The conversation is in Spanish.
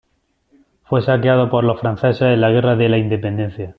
Fue saqueado por los franceses en la Guerra de la Independencia.